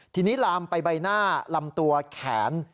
ทีนี้ลามไปใบหน้าลำตัวแขน